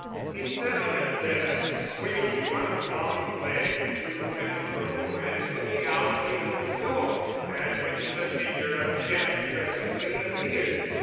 He sat on a desk, swinging one long leg to and fro and looking out of the open door, at which the figure of Jeff presently appeared.